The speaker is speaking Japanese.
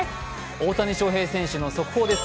大谷翔平選手の速報です。